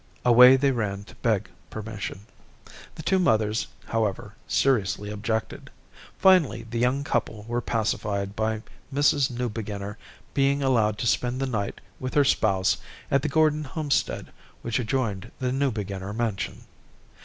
Away they ran to beg permission. The two mothers, however, seriously objected. Finally the young couple were pacified by Mrs. Newbeginner being allowed to spend the night with her spouse at the Gordon homestead which adjoined the Newbeginner mansion.